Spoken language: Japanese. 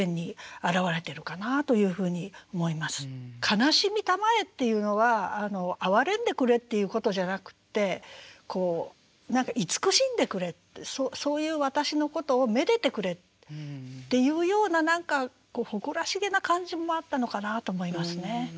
「かなしみ給へ」っていうのは哀れんでくれっていうことじゃなくて慈しんでくれってそういう私のことをめでてくれっていうような何か誇らしげな感じもあったのかなと思いますね。